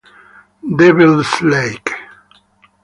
Devils Lake